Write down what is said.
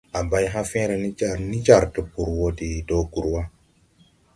A bay hãã fẽẽre ne jar ni jar Tpur wo de do gur wa.